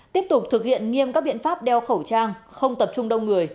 tiếp tục thực hiện nghiêm các biện pháp đeo khẩu trang không tập trung đông người